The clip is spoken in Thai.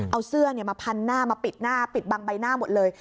เอาเสื้อมาพันหน้ามาปิดหน้าปิดบังใบหน้าหมดเลย